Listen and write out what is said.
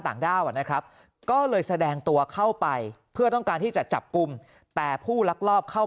ด้าวนะครับก็เลยแสดงตัวเข้าไปเพื่อต้องการที่จะจับกลุ่มแต่ผู้ลักลอบเข้า